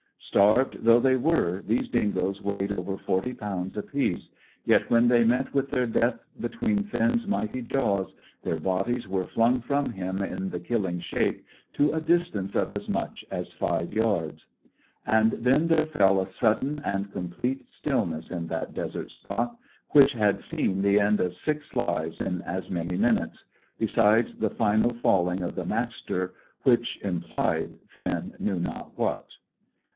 Starved though they were, these dingoes weighed over forty pounds apiece; yet when they met with their death between Finn's mighty jaws, their bodies were flung from him, in the killing shake, to a distance of as much as five yards. And then there fell a sudden and complete stillness in that desert spot, which had seen the end of six lives in as many minutes; besides the final falling of the Master, which implied, Finn knew not what.